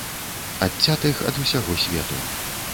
Адцятых ад усяго свету.